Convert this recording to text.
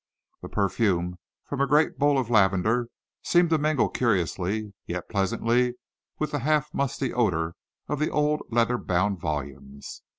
The perfume from a great bowl of lavender seemed to mingle curiously yet pleasantly with the half musty odour of the old leather bound volumes.